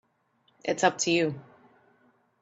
It's up to you.